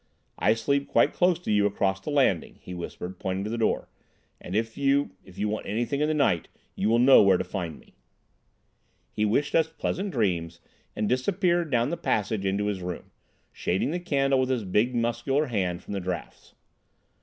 "I sleep quite close to you across the landing," he whispered, pointing to his door, "and if you—if you want anything in the night you will know where to find me." He wished us pleasant dreams and disappeared down the passage into his room, shading the candle with his big muscular hand from the draughts.